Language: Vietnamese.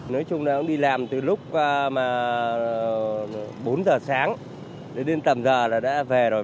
nói chung là đi làm từ lúc bốn giờ sáng đến tầm giờ là đã về rồi